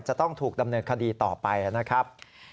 จะต้องถูกดำเนินคดีต่อไปนะครับ